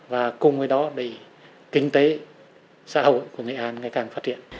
và cùng với đó để kinh tế xã hội của nghệ an ngày càng phát triển